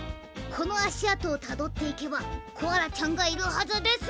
このあしあとをたどっていけばコアラちゃんがいるはずです！